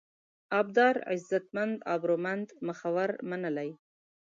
ابدار: عزتمن، ابرومند ، مخور، منلی